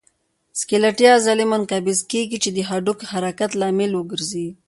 سکلیټي عضلې منقبض کېږي چې د هډوکو د حرکت لامل وګرځي.